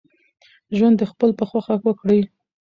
ژوند دخپل په خوښه وکړئ